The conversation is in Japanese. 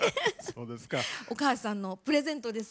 お母さんのプレゼントです。